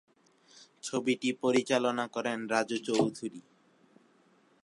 ছবিটি পরিচালনা করেন রাজু চৌধুরী।